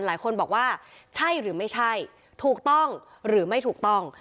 หลายคนบอกว่าใช่หรือไม่ใช่ถูกต้องหรือไม่ถูกต้อง